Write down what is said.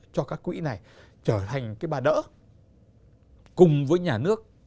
cho các quỹ này trở thành cái bà đỡ cùng với nhà nước